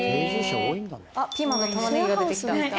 ピーマンと玉ねぎが出て来た。